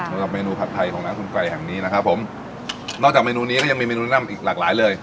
สำหรับเมนูผัดไทยของร้านคุณไก่แห่งนี้นะครับผมนอกจากเมนูนี้ก็ยังมีเมนูนำอีกหลากหลายเลย